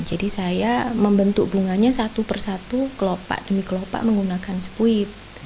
jadi saya membentuk bunganya satu per satu kelopak demi kelopak menggunakan spuit